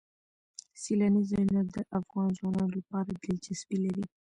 سیلانی ځایونه د افغان ځوانانو لپاره دلچسپي لري.